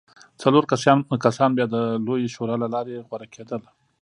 څلور کسان بیا د لویې شورا له لارې غوره کېدل